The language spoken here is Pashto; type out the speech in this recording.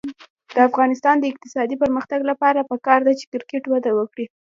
د افغانستان د اقتصادي پرمختګ لپاره پکار ده چې کرکټ وده وکړي.